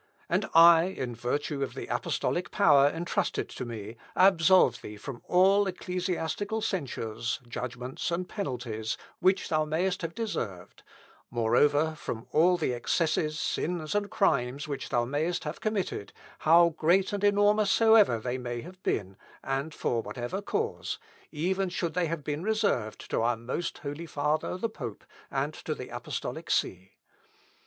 And I, in virtue of the apostolic power entrusted to me, absolve thee from all ecclesiastical censures, judgments, and penalties, which thou mayest have deserved; moreover, from all the excesses, sins, and crimes, which thou mayest have committed, how great and enormous soever they may have been, and for whatever cause, even should they have been reserved to our most holy Father the pope, and to the apostolic see.